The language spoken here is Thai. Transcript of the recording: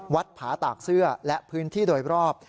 ผาตากเสื้อและพื้นที่โดยรอบ